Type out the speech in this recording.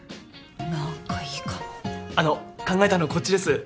何かいいかもあの考えたのこっちです